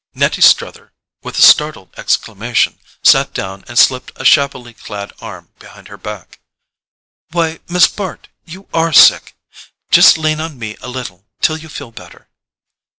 Nettie Struther, with a startled exclamation, sat down and slipped a shabbily clad arm behind her back. "Why, Miss Bart, you ARE sick. Just lean on me a little till you feel better."